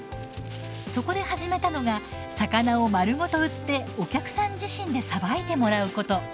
そこで始めたのが魚を丸ごと売ってお客さん自身でさばいてもらうこと。